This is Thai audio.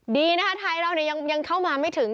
ดีนะคะไทยเรายังเข้ามาไม่ถึง